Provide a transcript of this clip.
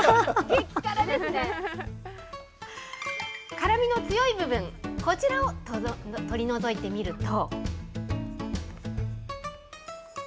辛みの強い部分、こちらを取り除いてみると。